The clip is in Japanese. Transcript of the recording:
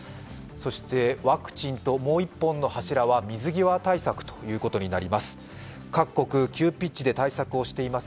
そしてワクチンともう１本の柱は水際対策ということになります。